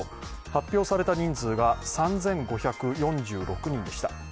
発表された人数が３５４６人でした。